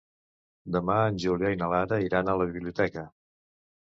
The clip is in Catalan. Demà en Julià i na Lara iran a la biblioteca.